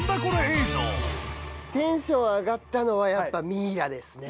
テンション上がったのはやっぱミイラですね。